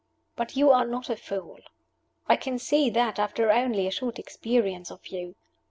But you are not a fool. I can see that, after only a short experience of you.